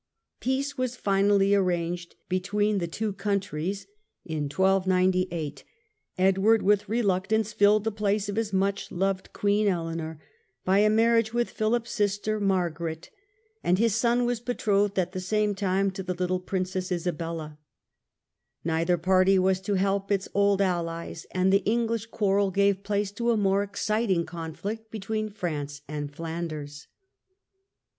Peace Peace be was finally arranged between the two countries ; Edward j^nd and with reluctance filled the place of his much loved Queen ^93°*^' Eleanor by a marriage with Philip's sister Margaret ; 54 THE END OF THE MIDDLE AGE and his son was betrothed at the same time to the little Princess Isabella. Neither party was to help its old allies, and the English quarrel gave place to a more ex citing conflict between France and Flanders.